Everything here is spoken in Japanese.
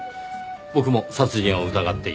僕も殺人を疑っています。